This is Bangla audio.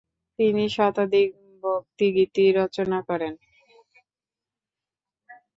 তিনি শতাধিক ভক্তিগীতি রচনা করেন।